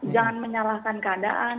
jangan menyalahkan keadaan